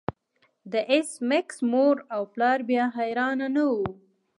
د ایس میکس مور او پلار بیا حیران نه وو